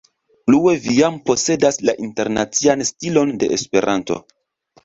Plue vi jam posedas la internacian stilon de esperanto.